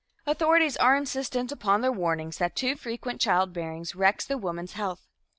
Authorities are insistent upon their warnings that too frequent childbearing wrecks the woman's health.